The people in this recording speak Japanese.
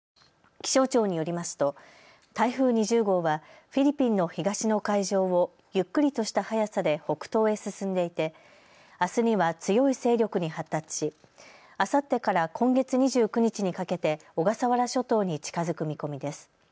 気象庁によりますと台風２０号はフィリピンの東の海上をゆっくりとした速さで北東へ進んでいてあすには強い勢力に発達しあさってから今月２９日にかけて小笠原諸島に近づく見込みです。